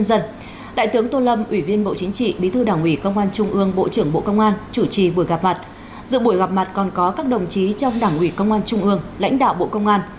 giữa buổi gặp mặt còn có các đồng chí trong đảng ủy công an trung ương lãnh đạo bộ công an